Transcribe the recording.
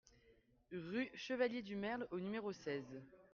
Rue Chevalier du Merle au numéro seize